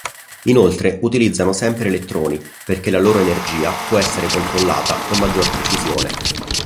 Inoltre utilizzano sempre elettroni perché la loro energia può essere controllata con maggior precisione.